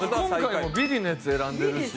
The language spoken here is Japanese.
今回もビリのやつ選んでるし。